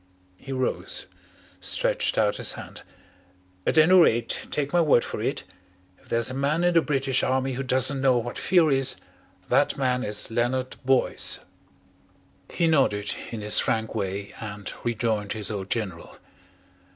He rose, stretched out his hand. "At any rate, take my word for it if there's a man in the British Army who doesn't know what fear is, that man is Leonard Boyce." He nodded in his frank way and rejoined his old General.